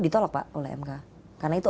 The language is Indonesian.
ditolak pak oleh mk karena itu